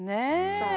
そう。